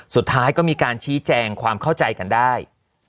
สุดท้ายก็มีการชี้แจงความเข้าใจกันได้